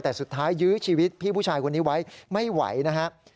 แต่สุดท้ายยื้อชีวิตพี่ผู้ชายคนนี้ไว้ไม่ไหวนะครับ